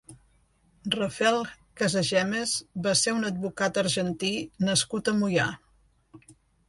Rafael Casagemas va ser un advocat argentí nascut a Moià.